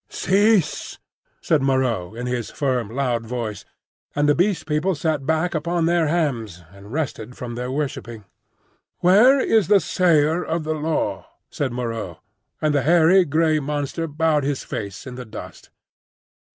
"Cease!" said Moreau, in his firm, loud voice; and the Beast People sat back upon their hams and rested from their worshipping. "Where is the Sayer of the Law?" said Moreau, and the hairy grey monster bowed his face in the dust.